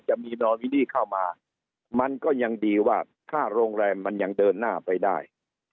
จะมีนอมินีเข้ามามันก็ยังดีว่าถ้าโรงแรมมันยังเดินหน้าไปได้